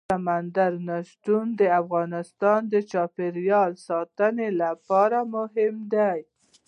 سمندر نه شتون د افغانستان د چاپیریال ساتنې لپاره مهم دي.